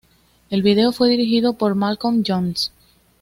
El vídeo fue dirigido por Malcolm Jones.